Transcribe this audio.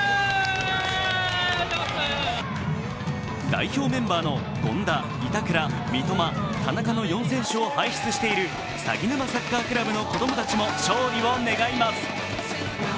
代表メンバーの権田、板倉、三笘、田中の４選手を輩出しているさぎぬまサッカークラブの子供たちも勝利を願います。